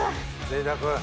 ぜいたく。